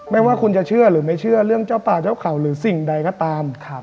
ไม่ว่าคุณจะเชื่อหรือไม่เชื่อเรื่องเจ้าป่าเจ้าเขาหรือสิ่งใดก็ตาม